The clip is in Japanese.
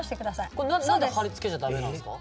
これ何で貼り付けちゃダメなんすか？